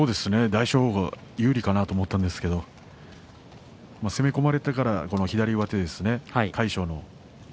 大翔鵬が有利かなと思ったんですけれども攻め込まれてから左上手ですね魁勝。